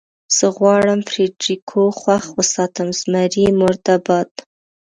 زه غواړم فرېډرېکو خوښ وساتم، زمري مرده باد.